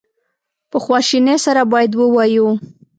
په خواشینی سره باید ووایو.